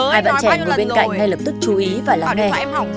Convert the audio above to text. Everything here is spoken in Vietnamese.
hai bạn trẻ ở bên cạnh ngay lập tức chú ý và lắng nghe